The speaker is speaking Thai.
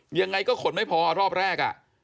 ยังไงก็ขนไม่พอรอบแรก